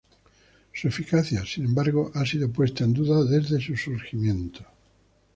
Su eficacia, sin embargo, ha sido puesta en duda desde su surgimiento.